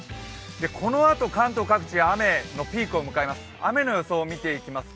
このあと関東各地、雨のピークを迎えます。